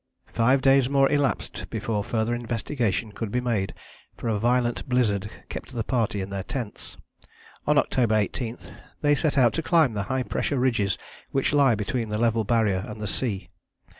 Five days more elapsed before further investigation could be made, for a violent blizzard kept the party in their tents. On October 18 they set out to climb the high pressure ridges which lie between the level barrier and the sea.